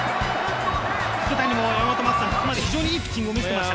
福谷もここまで非常にいいピッチングを見せていました。